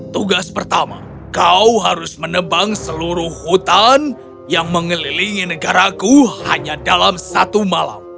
tugas pertama kau harus menebang seluruh hutan yang mengelilingi negaraku hanya dalam satu malam